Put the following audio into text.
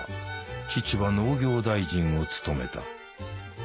父は農業大臣を務めた。